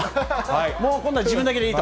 もう今度は自分だけでいいと。